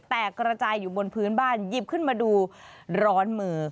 กระจายอยู่บนพื้นบ้านหยิบขึ้นมาดูร้อนมือ